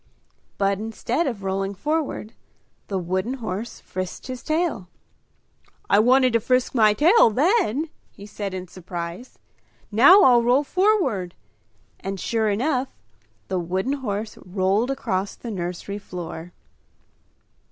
But instead of rolling forward, the wooden horse frisked his tail. "I wanted to frisk my tail then!" he said in surprise. "Now I'll roll forward!" And sure enough, the wooden horse rolled across the nursery floor.